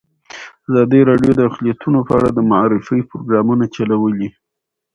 ازادي راډیو د اقلیتونه په اړه د معارفې پروګرامونه چلولي.